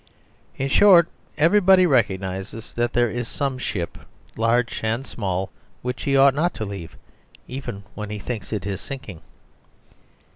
In short, everybody recog nises that there is some ship, large and small, which he ought not to leave, even when he thinks it is sinking.